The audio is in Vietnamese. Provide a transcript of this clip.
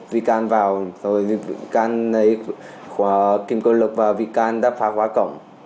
vị can vào vị can lấy kim cơ lực và vị can đã phá khóa cổng